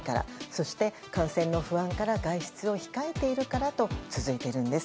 そして、感染の不安から外出を控えているからと続いているんです。